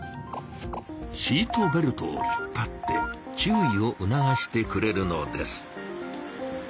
シートベルトを引っぱって注意をうながしてくれるのです。